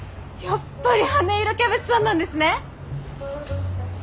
やっぱり羽色キャベツさんなんですね！